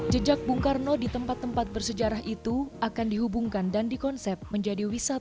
jejak bung karno di tempat tempat bersejarah itu akan dihubungkan dan dikonsep menjadi wisata